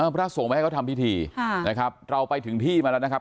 พระส่งไม่ให้เขาทำพิธีนะครับเราไปถึงที่มาแล้วนะครับ